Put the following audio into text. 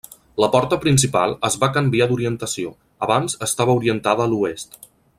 La porta principal es va canviar d'orientació, abans estava orientada a l'oest.